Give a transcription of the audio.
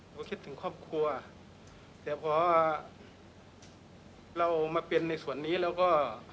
คิดถึงครอบครัวแต่พอเรามาเป็นในส่วนนี้แล้วก็